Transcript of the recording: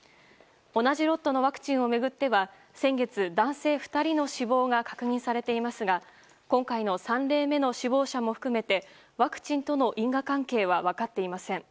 同じロットのワクチンを巡っては先月男性２人の死亡が確認されていますが今回の３例目の死亡者も含めてワクチンとの因果関係は分かっていません。